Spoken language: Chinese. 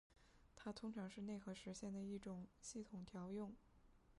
它通常是内核实现的一种系统调用。